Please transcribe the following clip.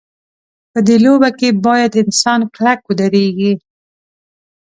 په دې لوبه کې باید انسان کلک ودرېږي.